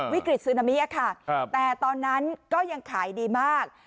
วิกฤตซึนามิอะค่ะครับแต่ตอนนั้นก็ยังขายดีมาก